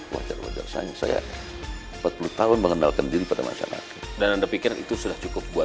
wajar wajar saya saya empat puluh tahun mengenalkan diri pada masyarakat dan anda pikir itu sudah cukup buat